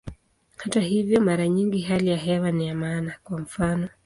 Hata hivyo, mara nyingi hali ya hewa ni ya maana, kwa mfano.